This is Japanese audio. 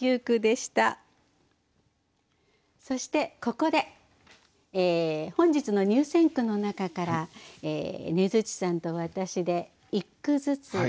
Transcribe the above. そしてここで本日の入選句の中からねづっちさんと私で一句ずつ選んでみたいと思います。